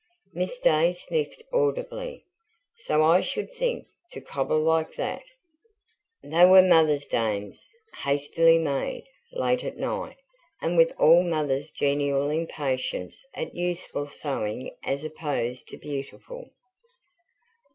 Miss Day sniffed audibly. "So I should think. To cobble like that!" They were Mother's dams, hastily made, late at night, and with all Mother's genial impatience at useful sewing as opposed to beautiful.